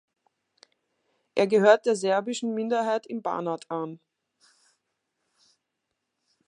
Er gehört der serbischen Minderheit im Banat an.